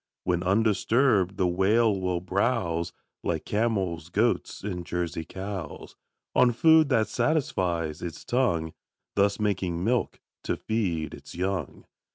When undisturbed, the Whale will browse Like camels, goats, and Jersey cows, On food that satisfies its tongue, Thus making milk to feed its young.